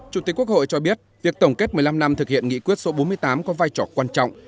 chủ tịch quốc hội cho biết việc tổng kết một mươi năm năm thực hiện nghị quyết số bốn mươi tám có vai trò quan trọng